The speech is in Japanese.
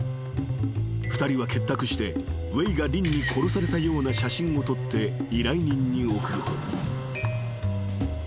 ［２人は結託してウェイがリンに殺されたような写真を撮って依頼人に送ると］